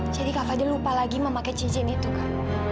jadi kak fadil lupa lagi memakai cincin itu kak